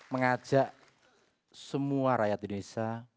mengajak semua rakyat indonesia